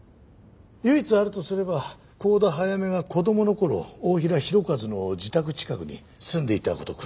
唯一あるとすれば幸田早芽が子供の頃太平洋和の自宅近くに住んでいた事くらいです。